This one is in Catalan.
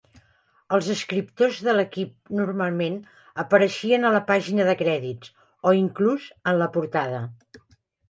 Els escriptors de l'"equip" normalment apareixien a la pàgina de crèdits, o inclús en la portada.